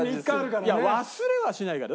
いや忘れはしないから。